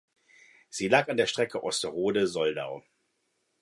Sie lag an der Strecke Osterode–Soldau.